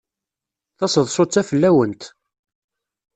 Taseḍsut-a fell-awent.